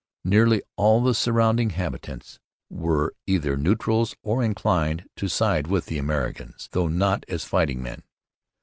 Nearly all the surrounding habitants were either neutrals or inclined to side with the Americans, though not as fighting men.